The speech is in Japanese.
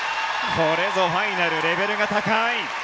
これぞファイナルレベルが高い。